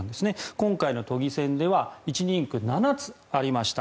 今回の都議選では１人区、７つありました。